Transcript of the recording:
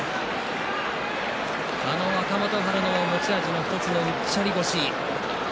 あの若元春の持ち味の１つ、うっちゃり腰。